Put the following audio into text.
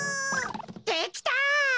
できた！